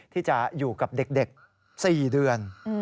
ที่จะอยู่กับเด็ก๔เดือน